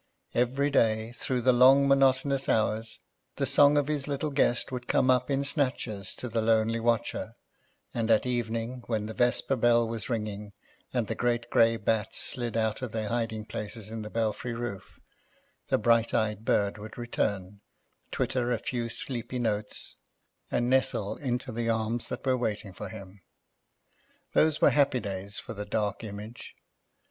Every day, through the long monotonous hours, the song of his little guest would come up in snatches to the lonely watcher, and at evening, when the vesper bell was ringing and the great grey bats slid out of their hiding places in the belfry roof, the bright eyed bird would return, twitter a few sleepy notes, and nestle into the arms that were waiting for him. Those were happy days for the Dark Image.